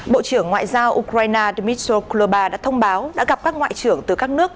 bộ trưởng ngoại giao ukraine dmytro kloba đã thông báo đã gặp các ngoại trưởng từ các nước